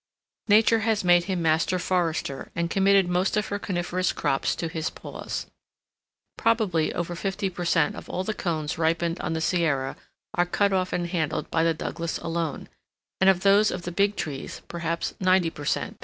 Nature has made him master forester and committed most of her coniferous crops to his paws. Probably over fifty per cent. of all the cones ripened on the Sierra are cut off and handled by the Douglas alone, and of those of the Big Trees perhaps ninety per cent.